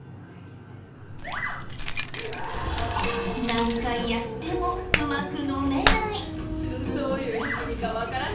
何回やってもうまく飲めない。